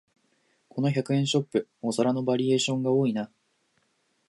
この百円ショップ、お皿のバリエーションが多いな